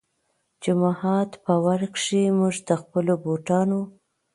جومات پۀ ورۀ کښې مونږ د خپلو بوټانو